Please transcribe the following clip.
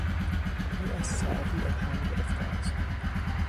او از سعدی الهام گرفته است.